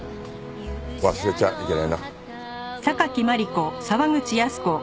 忘れちゃいけないな。